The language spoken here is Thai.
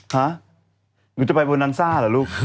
ฮะมายูจะไปเบอร์นันซ่าเหรอลูก